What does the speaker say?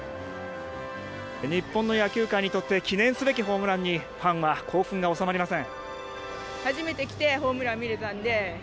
日本の野球界にとって記念すべきホームランにファンは興奮が収まりません。